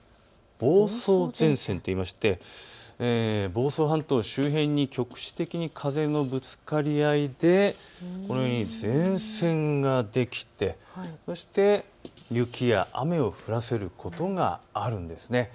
房総前線といいまして、房総半島の周辺に局地的に風のぶつかり合いでこのように前線ができてそして雪や雨を降らせることがあるんです。